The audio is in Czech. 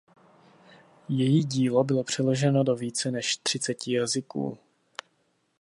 Její dílo bylo přeloženo do více než třiceti jazyků.